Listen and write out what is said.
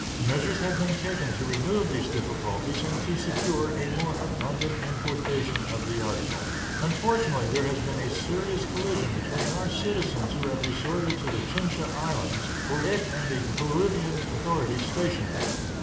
Measures have been taken to remove these difficulties and to secure a more abundant importation of the article. Unfortunately, there has been a serious collision between our citizens who have resorted to the Chincha Islands for it and the Peruvian authorities stationed there.